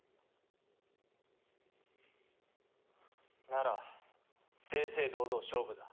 なら正々堂々勝負だ。